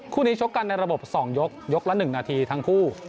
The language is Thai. คู่นี้ชกกันในระบบ๒ยกยกละ๑นาทีทั้งคู่